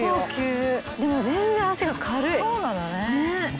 でも全然足が軽い。